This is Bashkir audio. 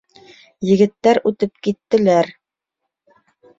Егеттәр үтеп киттеләр.